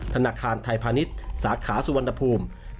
ธนาคารไทยพาณิชย์สาขาสุวรรณภูมิ